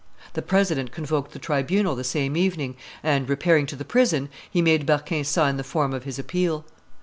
The president convoked the tribunal the same evening, and repairing to the prison, he made Berquin sign the form of his appeal.